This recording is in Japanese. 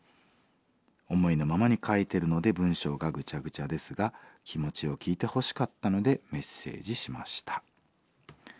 思いのままに書いてるので文章がぐちゃぐちゃですが気持ちを聞いてほしかったのでメッセージしました」。